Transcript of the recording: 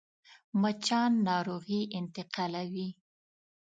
مچان ناروغي انتقالوي